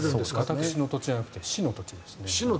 私の土地じゃなくて市の土地ですね。